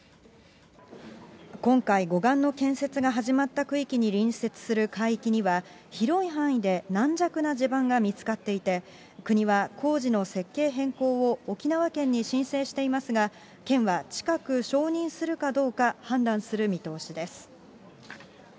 今回、護岸の建設が始まった区域に隣接する海域には、広い範囲で軟弱な地盤が見つかっていて、国は、工事の設計変更を沖縄県に申請していますが、県は近く承認するかどうか判断する見通しです。